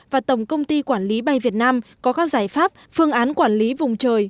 và tổng công ty quản lý bay việt nam có các giải pháp phương án quản lý vùng trời